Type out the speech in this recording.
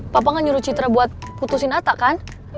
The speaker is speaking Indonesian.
papa kan nyuruh citra buat putusin atta kan